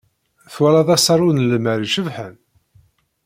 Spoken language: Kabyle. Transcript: Twalaḍ asaru n Imer icebḥen?